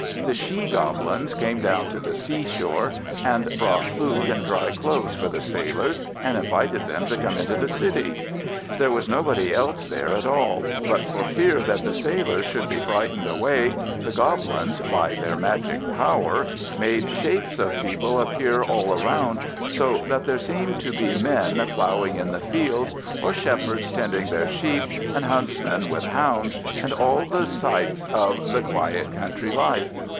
The She goblins came down to the seashore, and brought food and dry clothes for the sailors, and invited them to come into the city. There was nobody else there at all; but for fear that the sailors should be frightened away, the Goblins, by their magic power, made shapes of people appear all around, so that there seemed to be men ploughing in the fields, or shepherds tending their sheep, and huntsmen with hounds, and all the sights of the quiet country life.